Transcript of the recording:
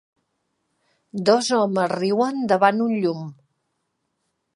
Dos homes riuen davant un llum.